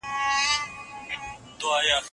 بې تفاوتي د مرګ نښه ده.